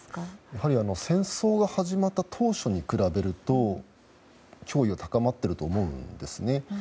やはり戦争が始まった当初に比べると脅威は高まっていると思うんですね。